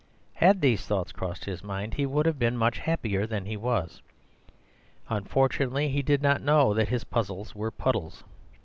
Had these thoughts crossed his mind he would have been much happier than he was. Unfortunately he did not know that his puzzles were puddles.